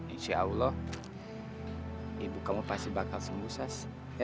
insya allah ibu kamu pasti bakal sembuh sas